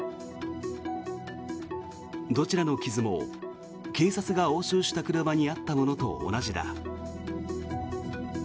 どちらの傷も警察が押収した車にあったものと同じだ。